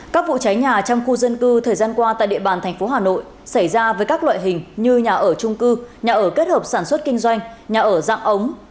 các vụ cháy nhà trong khu dân cư thời gian qua tại địa bàn thành phố hà nội xảy ra với các loại hình như nhà ở trung cư nhà ở kết hợp sản xuất kinh doanh nhà ở dạng ống